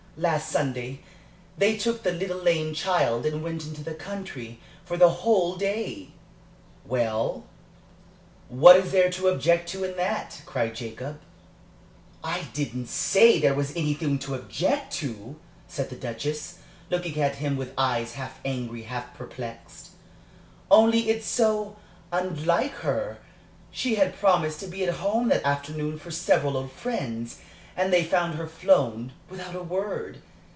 Last Sunday they took the little lame child and went into the country for the whole day " "Well, what is there to object to in that?" cried Jacob. "I didn't say there was anything to object to," said the Duchess, looking at him with eyes half angry, half perplexed. "Only it's so unlike her. She had promised to be at home that afternoon for several old friends, and they found her flown, without a word.